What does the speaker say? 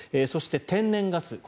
そして、天然ガス。